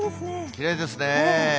きれいですね。